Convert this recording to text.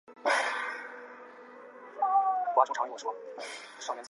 流域内形成了许多冲积扇。